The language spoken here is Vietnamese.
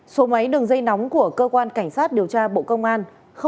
số máy đường dây nóng của cơ quan cảnh sát điều tra bộ công an